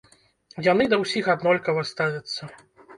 Яны да ўсіх аднолькава ставяцца.